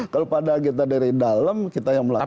kalau pada kita dari dalam kita yang melakukan